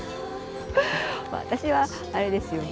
私はあれですよ。